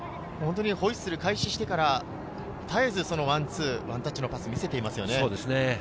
ホイッスルが開始してから、絶えずワンツー、ワンタッチのパスを見せていますよね。